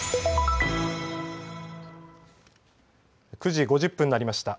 ９時５０分になりました。